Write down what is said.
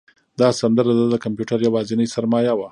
دا سندره د ده د کمپیوټر یوازینۍ سرمایه وه.